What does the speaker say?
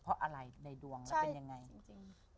เพราะอะไรในดวงแล้วเป็นยังไงจริง